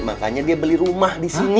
makanya beli rumah disini